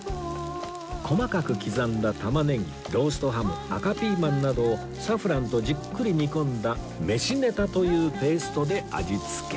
細かく刻んだ玉ねぎローストハム赤ピーマンなどをサフランとじっくり煮込んだメシネタというペーストで味付け